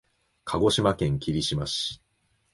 鹿児島県霧島市